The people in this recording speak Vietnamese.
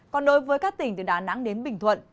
còn đối với các tỉnh từ đà nẵng đến bình thuận